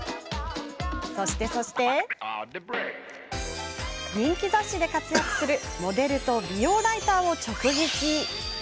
そして、人気雑誌で活躍するモデルと美容ライターを直撃。